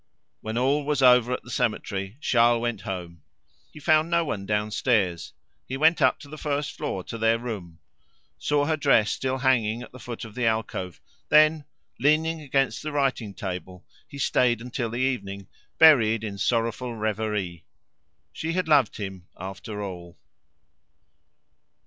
When all was over at the cemetery Charles went home. He found no one downstairs; he went up to the first floor to their room; saw her dress still hanging at the foot of the alcove; then, leaning against the writing table, he stayed until the evening, buried in a sorrowful reverie. She had loved him after all!